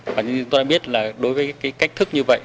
và như chúng ta biết là đối với cái cách thức như vậy